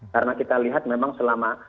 karena kita lihat memang selama